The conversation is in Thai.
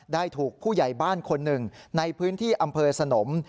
ได้ถูกผู้ใหญ่บ้านคนหนึ่งในพื้นที่อำเภอสนม